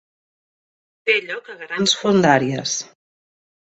Té lloc a grans fondàries.